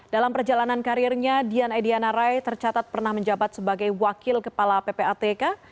dalam perjalanan karirnya dian ediana rai tercatat pernah menjabat sebagai wakil kepala ppatk